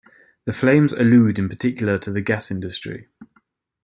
The flames allude in particular to the gas industry.